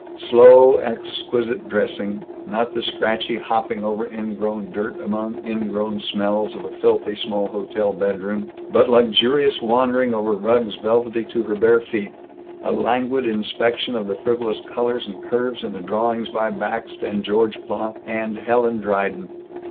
Slow exquisite dressing not the scratchy hopping over ingrown dirt, among ingrown smells, of a filthy small hotel bedroom, but luxurious wandering over rugs velvety to her bare feet. A languid inspection of the frivolous colors and curves in the drawings by Bakst and George Plank and Helen Dryden.